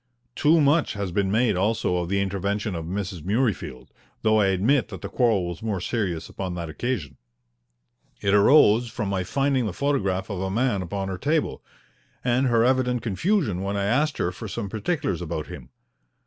Too much has been made also of the intervention of Mrs. Murreyfield, though I admit that the quarrel was more serious upon that occasion. It arose from my finding the photograph of a man upon her table, and her evident confusion when I asked her for some particulars about him.